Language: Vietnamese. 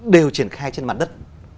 đều triển khai trên mặt đất